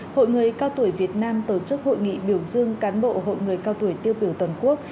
hội người cao tuổi việt nam tổ chức hội nghị biểu dương cán bộ hội người cao tuổi tiêu biểu toàn quốc